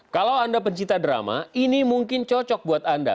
kalau anda pencipta drama ini mungkin cocok buat anda